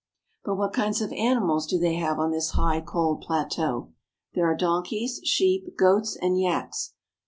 But what kinds of animals do they have on this high, cold plateau ? There are donkeys, sheep, goats, and yaks.